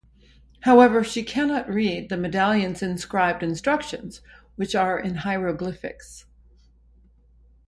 However, she cannot read the medallion's inscribed instructions, which are in hieroglyphics.